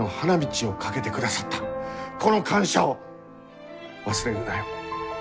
この感謝を忘れるなよ。